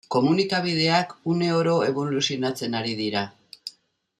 Komunikabideak uneoro eboluzionatzen ari dira.